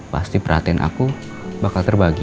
pasti perhatian aku bakal terbagi